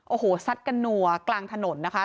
โอ้โหซัดกันนัวกลางถนนนะคะ